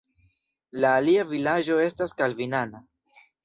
La alia vilaĝo estas kalvinana.